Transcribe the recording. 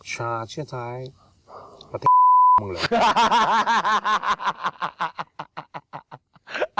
ชาชิชายประเทศมึงเหรอ